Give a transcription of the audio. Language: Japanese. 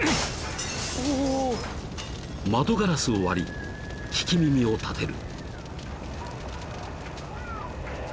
［窓ガラスを割り聞き耳を立てる］